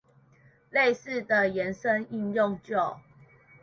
類似的延伸應用就